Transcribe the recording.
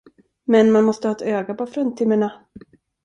Men man måste ha ett öga på fruntimmerna.